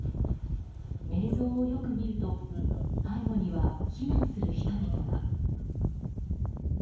映像をよく見ると背後には避難する人々が。